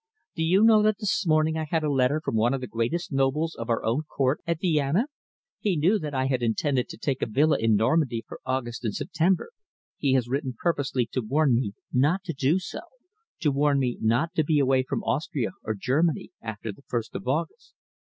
Do you know that this morning I had a letter from one of the greatest nobles of our own Court at Vienna? He knew that I had intended to take a villa in Normandy for August and September. He has written purposely to warn me not to do so, to warn me not to be away from Austria or Germany after the first of August."